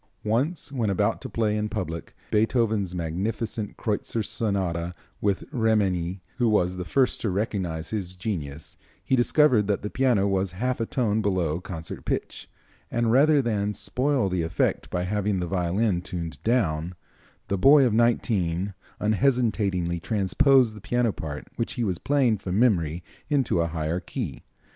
Once, when about to play in public Beethoven's magnificent Kreutzer Sonata, with Remenyi, who was the first to recognize his genius, he discovered that the piano was half a tone below concert pitch, and rather than spoil the effect by having the violin tuned down, the boy of nineteen unhesitatingly transposed the piano part which he was playing from memory into a higher key.